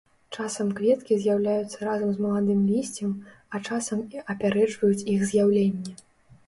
Часам кветкі з'яўляюцца разам з маладымі лісцем, а часам і апярэджваюць іх з'яўленне.